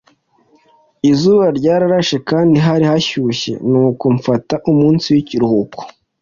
izuba ryarashe kandi hari hashyushye, nuko mfata umunsi w'ikiruhuko